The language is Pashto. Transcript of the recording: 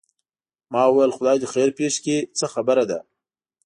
ما وویل خدای دې خیر پېښ کړي څه خبره ده.